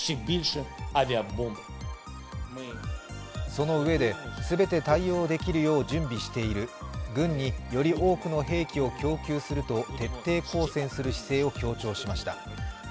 その上で、全て対応できるよう準備している、軍により多くの兵器を供給するト徹底抗戦する姿勢を強調しました。